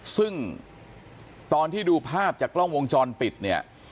ซึ่งตอนที่ดูภาพจากกล้องวงจรปิดเนี่ย